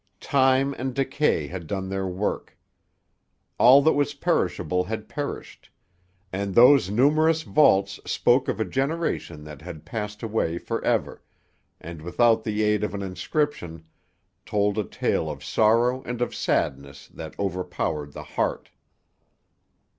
Time and decay had done their work. All that was perishable had perished, and those numerous vaults spoke of a generation that had passed away for ever, and without the aid of an inscription, told a tale of sorrow and of sadness that overpowered the heart.